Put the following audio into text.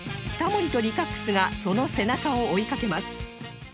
タモリと Ｌｉｃａｘｘｘ がその背中を追いかけます